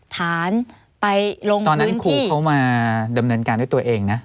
ฐานไปลงตอนนั้นครูเขามาดำเนินการด้วยตัวเองนะ